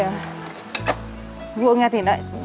nó chạy vào